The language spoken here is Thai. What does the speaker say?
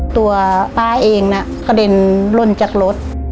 ตัวปลาเองกระเด็นลนจากรถ